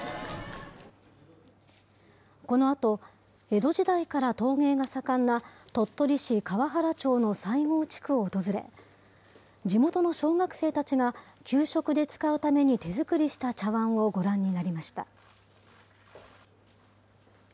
このあと、江戸時代から陶芸が盛んな鳥取市河原町の西郷地区を訪れ、地元の小学生たちが、給食で使うために手作りした茶わんをご覧になりました。